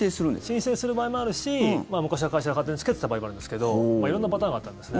申請する場合もあるし昔は会社が勝手につけてた場合もあるんですけど色んなパターンがあったんです。